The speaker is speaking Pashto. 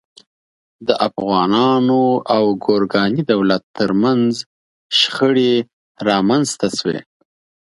د افغانانو او ګورکاني دولت تر منځ شخړې رامنځته شوې.